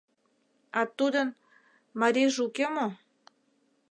А тудын... марийже уке мо?